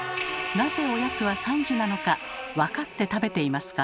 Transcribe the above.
なぜおやつは３時なのか分かって食べていますか？